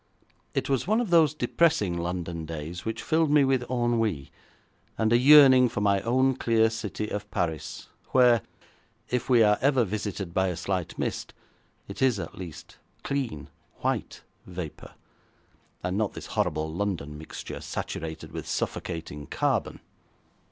It was one of those depressing London days which filled me with ennui and a yearning for my own clear city of Paris, where, if we are ever visited by a slight mist, it is at least clean, white vapour, and not this horrible London mixture saturated with suffocating carbon.